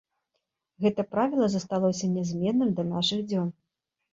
Гэта правіла засталося нязменным да нашых дзён.